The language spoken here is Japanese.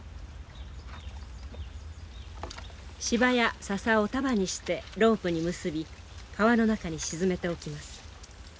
柴や笹を束にしてロープに結び川の中に沈めておきます。